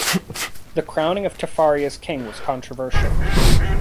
The crowning of Tafari as King was controversial.